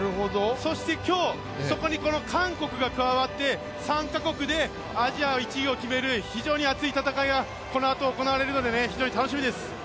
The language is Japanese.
そして今日、そこにこの韓国が加わって３か国でアジアの１位を決める非常に熱い戦いがこのあと行われるので楽しみです。